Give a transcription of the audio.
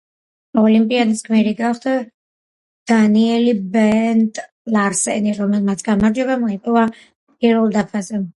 ოლიმპიადის გმირი გახდა დანიელი ბენტ ლარსენი, რომელმაც გამარჯვება მოიპოვა პირველ დაფაზე.